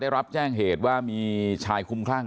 รับแจ้งเหตุว่ามีชายคุ้มคลั่ง